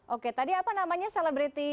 oke tadi apa namanya selebriti